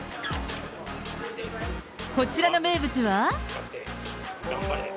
こちらの名物は。